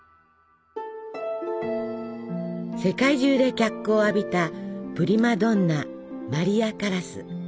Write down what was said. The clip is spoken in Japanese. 世界中で脚光を浴びたプリマドンナマリア・カラス。